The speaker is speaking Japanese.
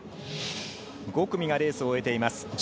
５組がレースを終えています。